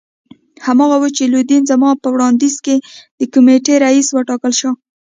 هماغه وو چې لودین زما په وړاندیز د کمېټې رییس وټاکل شو.